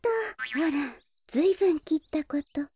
あらずいぶんきったこと。